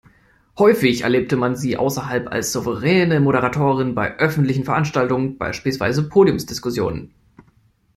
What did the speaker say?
Häufig erlebte man sie außerdem als souveräne Moderatorin bei öffentlichen Veranstaltungen, beispielsweise Podiumsdiskussionen.